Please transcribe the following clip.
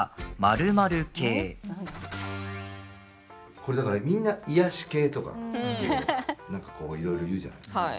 これ、だから、みんなとか、なんかこういろいろ言うじゃないですか。